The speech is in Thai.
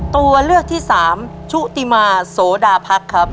ตัวเลือกที่สามชุติมาโสดาพักครับ